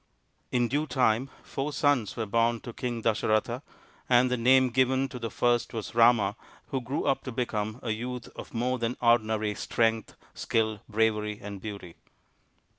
In due time four sons were born to King Dasa ratha, and the name given to the first was Rama, who grew 'up to become a youth of more than ordinary strength, skill, bravery, and beauty.